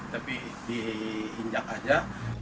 tapi diinjak aja